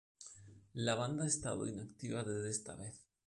La banda ha estado inactiva desde esta vez.